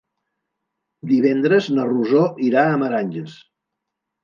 Divendres na Rosó irà a Meranges.